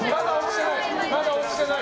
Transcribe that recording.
まだ落ちてない！